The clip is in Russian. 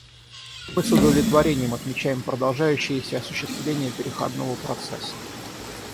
Мы с удовлетворением отмечаем продолжающееся осуществление переходного процесса.